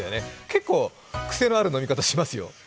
結構クセのある飲み方しますよ。